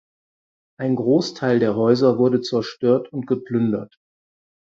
Ein Großteil der Häuser wurde zerstört und geplündert.